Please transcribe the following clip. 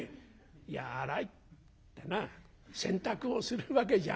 「いや『あらい』ってな洗濯をするわけじゃない。